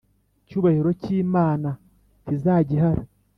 icyubahiro cyimana ntizagihara